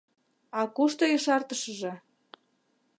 — А кушто ешартышыже?